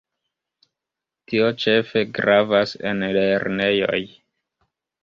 Tio ĉefe gravas en lernejoj.